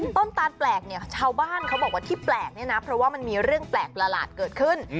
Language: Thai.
ตาลแปลกเนี่ยชาวบ้านเขาบอกว่าที่แปลกเนี่ยนะเพราะว่ามันมีเรื่องแปลกประหลาดเกิดขึ้น